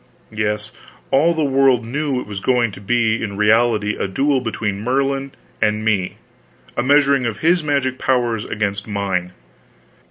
Yes, all the world knew it was going to be in reality a duel between Merlin and me, a measuring of his magic powers against mine.